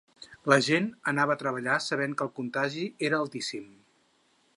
La gent anava a treballar sabent que el contagi era altíssim.